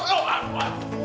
aduh aduh tunggu